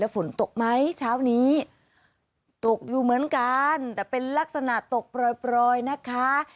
ฝนตกไหมเช้านี้ตกอยู่เหมือนกันแต่เป็นลักษณะตกปล่อยนะคะ